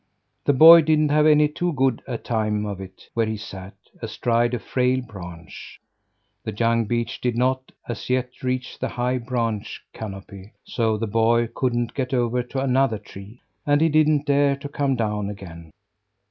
The boy didn't have any too good a time of it where he sat, astride a frail branch. The young beech did not, as yet, reach the high branch canopy, so the boy couldn't get over to another tree, and he didn't dare to come down again.